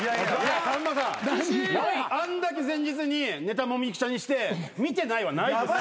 あんだけ前日にネタもみくちゃにして見てないはないです。